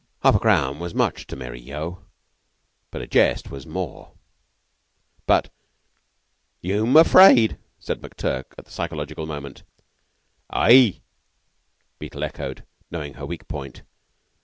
Half a crown was much to Mary Yeo, and a jest was more; but "Yeu'm afraid," said McTurk, at the psychological moment. "Aie!" Beetle echoed, knowing her weak point.